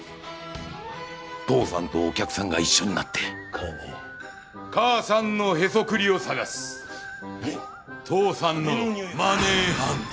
父さんとお客さんが一緒になって母さんのへそくりを探すトーさんのマネーハント。